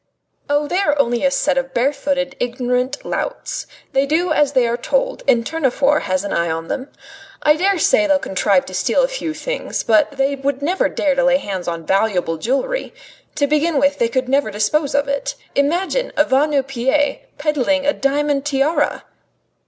"Oh! they are only a set of barefooted, ignorant louts. They do as they are told, and Tournefort has his eye on them. I dare say they'll contrive to steal a few things, but they would never dare lay hands on valuable jewellery. To begin with, they could never dispose of it. Imagine a va nu pieds peddling a diamond tiara!"